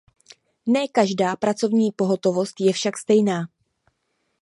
Ne každá pracovní pohotovost je však stejná.